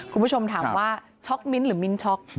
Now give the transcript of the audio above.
คุณผู้ชมถามว่าช็อกมิ้นหรือมิ้นช็อก